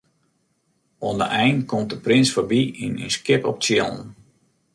Oan de ein komt de prins foarby yn in skip op tsjillen.